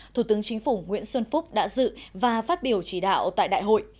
thủ tướng chính phủ nguyễn xuân phúc đã dự và phát biểu chỉ đạo tại đại hội